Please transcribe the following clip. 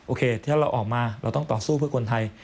โอเคถ้าเราออกมาเราต้องต่อสู้เพื่อคนไทย